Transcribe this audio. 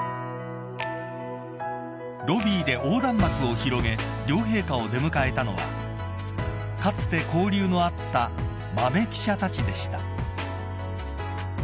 ［ロビーで横断幕を広げ両陛下を出迎えたのはかつて交流のあった豆記者たちでした］